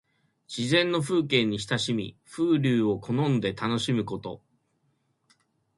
自然の風景に親しみ、風流を好んで楽しむこと。